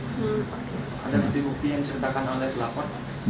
ada nanti bukti yang diceritakan oleh pelaporan